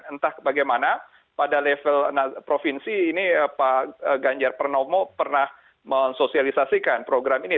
entah bagaimana pada level provinsi ini pak ganjar pranowo pernah mensosialisasikan program ini